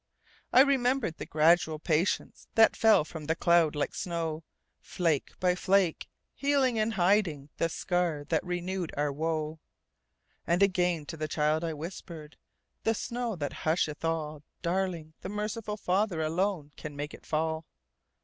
I remembered the gradual patienceThat fell from that cloud like snow, Flake by flake, healing and hidingThe scar that renewed our woe. And again to the child I whispered,"The snow that husheth all, Darling, the merciful FatherAlone can make it fall!"